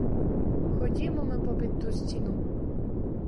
Ходімо ми попід ту стіну.